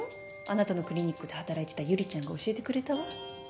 あなたのクリニックで働いてたユリちゃんが教えてくれたわ